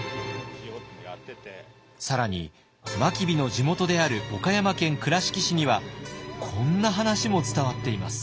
更に真備の地元である岡山県倉敷市にはこんな話も伝わっています。